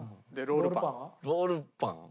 ロールパンは？